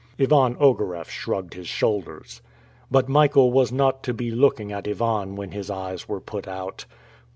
Ivan Ogareff shrugged his shoulders. But Michael was not to be looking at Ivan when his eyes were put out.